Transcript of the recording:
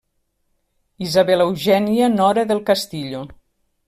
Isabel Eugènia Nora del Castillo.